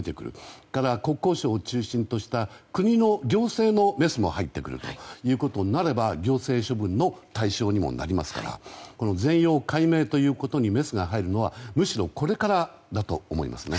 それから国交省を中心とした国の行政のメスも入ってくるということになれば行政処分の対象にもなりますから全容解明ということにメスが入るのはむしろこれからだと思いますね。